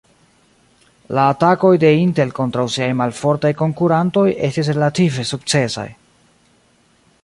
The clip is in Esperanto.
La atakoj de Intel kontraŭ siaj malfortaj konkurantoj estis relative sukcesaj.